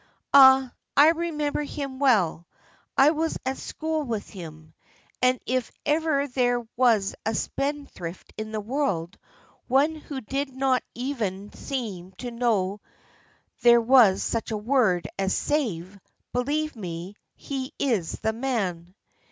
Ah, I remember him well: I was at school with him, and if ever there was a spendthrift in the world, one who did not even seem to know there was such a word as 'save,' believe me, he is the man."